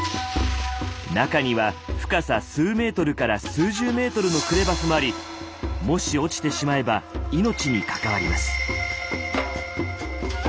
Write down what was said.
中には深さ数メートルから数十メートルのクレバスもありもし落ちてしまえば命に関わります。